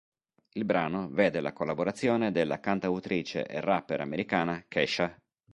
Il brano vede la collaborazione della cantautrice e rapper americana Kesha.